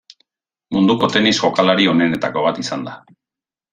Munduko tenis-jokalari onenetako bat izan da.